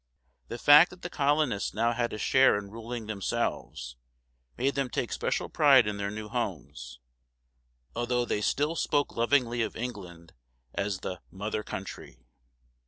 The fact that the colonists now had a share in ruling themselves, made them take special pride in their new homes, although they still spoke lovingly of England as the "mother country."